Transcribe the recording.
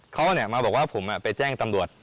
เขาเนี่ยมาบอกว่าผมอ่ะไปแจ้งตำรวจ